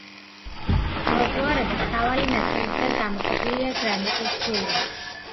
ტროტუარები სავალი ნაწილისაგან გამოყოფილია გრანიტის ფილებით.